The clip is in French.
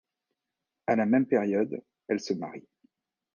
A la même période, elle se marie.